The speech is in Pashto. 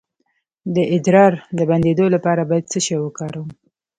د ادرار د بندیدو لپاره باید څه شی وکاروم؟